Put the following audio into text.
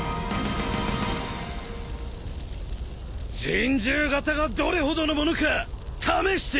人獣型がどれほどのものか試してやる！